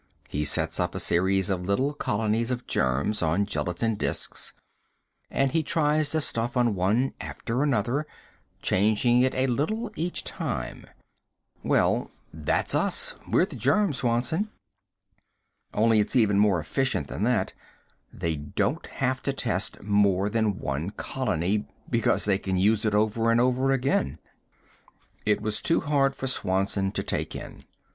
He sets up a series of little colonies of germs on gelatine disks and he tries the stuff on one after another, changing it a little each time. Well, that's us we're the germs, Swanson. Only it's even more efficient than that. They don't have to test more than one colony, because they can use it over and over again." It was too hard for Swanson to take in.